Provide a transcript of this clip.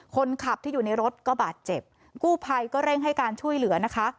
คนขับที่อยู่ในรถก็บาดเจ็บกู้ภัยก็เร่งให้การช่วยเหลือนะคะ